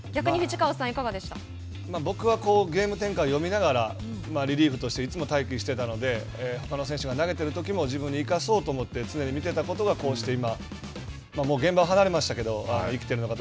僕はゲーム展開を読みながらリリーフとしていつも待機していたのでほかの選手が投げているときも自分に生かそうと思って常に見てたことがこうして今現場は離れましたけれども生きてるのかと。